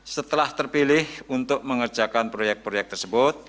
setelah terpilih untuk mengerjakan proyek proyek tersebut